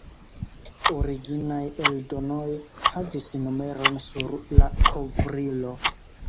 Originaj eldonoj havis numeron sur la kovrilo.